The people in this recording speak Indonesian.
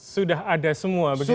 sudah ada semua begitu